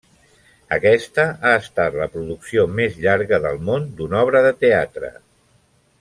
Aquesta ha estat la producció més llarga del món d'una obra de teatre.